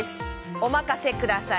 お任せください。